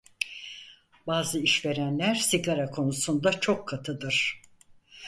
Bazı işverenler sigara konusunda çok katıdır.